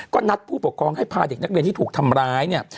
ก็นัดผู้ปกครองให้พาเด็กนักเรียนที่ถูกทำร้ายเนี่ย